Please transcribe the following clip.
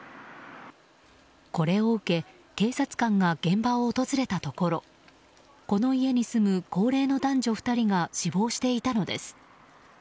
これを受け警察官が現場を訪れたところこの家に住む高齢の男女２人が死亡していたのです。